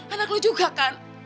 anak lu juga kan